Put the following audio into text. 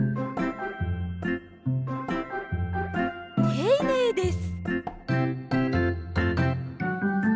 ていねいです。